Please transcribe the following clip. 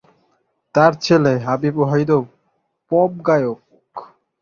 তার ছেলে হাবিব ওয়াহিদ ও পপ গায়ক।